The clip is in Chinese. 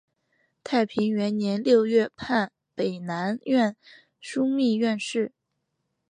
太平元年六月判北南院枢密院事。